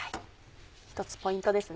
１つポイントですね。